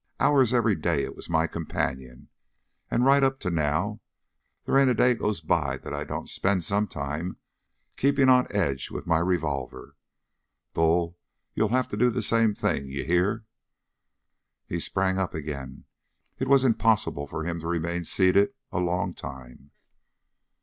Hours every day it was my companion, and right up to now, there ain't a day goes by that I don't spend some time keeping on edge with my revolver. Bull, you'll have to do the same thing. You hear?" He sprang up again. It was impossible for him to remain seated a long time.